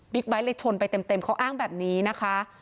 ไบท์เลยชนไปเต็มเขาอ้างแบบนี้นะคะ